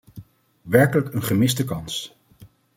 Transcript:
Werkelijk een gemiste kans!